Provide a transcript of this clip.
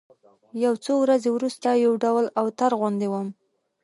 يو څو ورځې وروسته يو ډول اوتر غوندې وم.